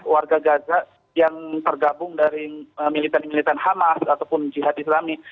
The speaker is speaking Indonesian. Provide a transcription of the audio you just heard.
warga gaza yang tergabung dari militan militan hamas ataupun jihad islami